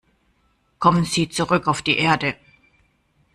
Kommen Sie zurück auf die Erde.